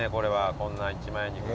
こんな一枚肉が。